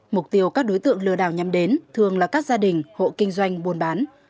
mục tiêu các đối tượng lừa đảo nhắm đến thường là các gia đình hộ kinh doanh buôn bán